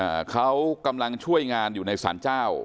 อ่าเขากำลังช่วยงานอยู่ในสารเจ้า